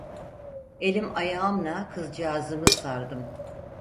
Elim ayağımla kızcağızımı sardım.